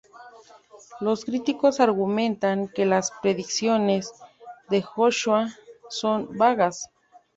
Los críticos argumentan que las predicciones de Joshua son vagas.